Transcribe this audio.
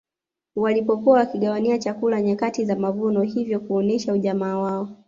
Walipokuwa wakigawania chakula nyakati za mavuno hivyo kuonesha ujamaa wao